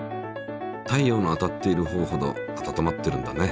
太陽の当たっているほうほど温まってるんだね。